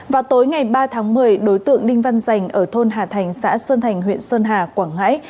vào tối ngày ba tháng một mươi đối tượng đinh văn rành ở thôn hà thành xã sơn thành huyện sơn hà quảng ngãi